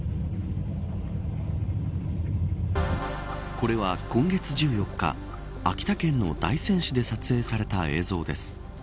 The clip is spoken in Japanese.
これは今月１４日秋田県の大仙市で撮影された映像です。